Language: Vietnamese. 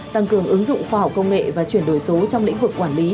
tăng cường ứng dụng khoa học công nghệ và chuyển đổi số trong lĩnh vực quản lý